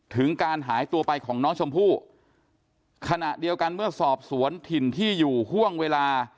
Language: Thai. ถึงการหายตัวไปของน้องชมพู่ขณะเดียวกันเมื่อสอบสวนถิ่นที่อยู่ห่วงเวลา